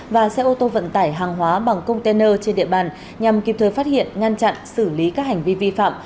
và xe ô tô vận tải hàng hóa bằng container trên địa bàn nhằm kịp thời phát hiện ngăn chặn xử lý các hành vi vi phạm